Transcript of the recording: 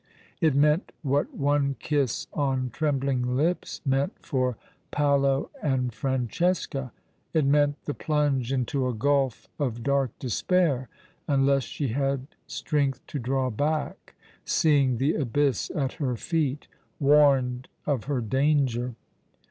It meant what one kiss on trembling lips meant for Paolo and Francesca. It meant the plunge into a gulf of dark despair — unless she had strength to draw back, seeing the abyss at her feet, warned of her danger.